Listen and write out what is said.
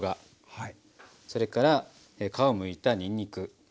それから皮をむいたにんにく。